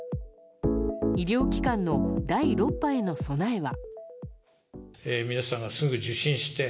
医療機関の第６波への備えは。